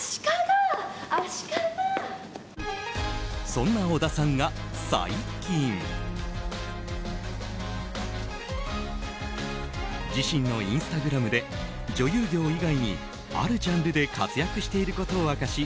そんな小田さんが最近自身のインスタグラムで女優業以外にあるジャンルで活躍していることを明かし